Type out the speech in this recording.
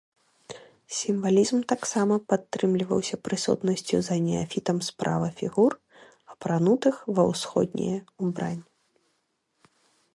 Сімвалізм таксама падтрымліваўся прысутнасцю за неафітам справа фігур, апранутых ва ўсходняе ўбранне.